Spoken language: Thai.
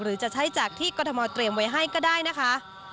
หรือจะใช้จากที่กรทมเตรียมไว้ให้ก็ได้นะคะ